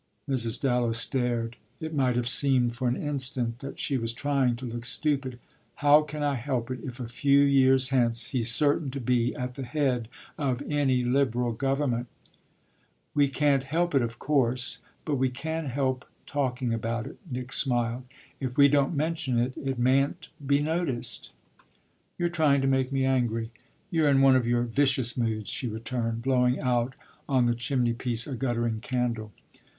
Mrs. Dallow stared; it might have seemed for an instant that she was trying to look stupid. "How can I help it if a few years hence he's certain to be at the head of any Liberal Government?" "We can't help it of course, but we can help talking about it," Nick smiled. "If we don't mention it it mayn't be noticed." "You're trying to make me angry. You're in one of your vicious moods," she returned, blowing out on the chimney piece a guttering candle.